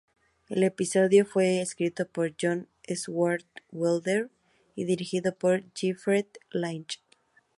El episodio fue escrito por John Swartzwelder y dirigido por Jeffrey Lynch.